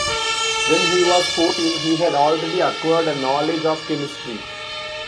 When he was fourteen he had already acquired a knowledge of chemistry.